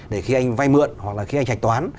để khi anh vay mượn hoặc là khi anh chạch toán